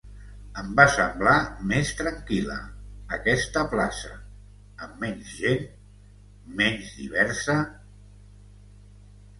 Em va semblar més tranquil·la, aquesta plaça... amb menys gent, menys diversa...